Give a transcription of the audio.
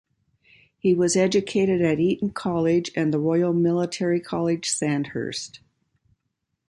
He was educated at Eton College and the Royal Military College, Sandhurst.